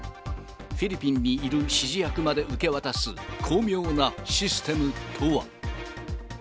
フィリピンにいる指示役まで受け渡す、巧妙なシステムとは。